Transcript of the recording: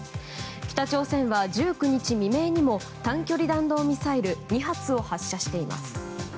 北朝鮮は１９日未明にも短距離弾道ミサイル２発を発射しています。